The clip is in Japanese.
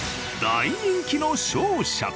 大人気の商社。